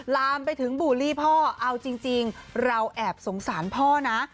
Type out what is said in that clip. ลามไปถึงบูลลี่พ่อเอาจริงเราแอบสงสารพ่อนะ